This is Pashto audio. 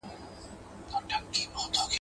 که بيا ودېدم، اينکى به مي ښه زده وي.